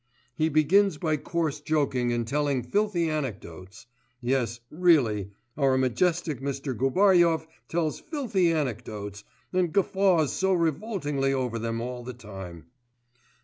He begins by coarse joking and telling filthy anecdotes ... yes, really, our majestic Mr. Gubaryov tells filthy anecdotes, and guffaws so revoltingly over them all the time.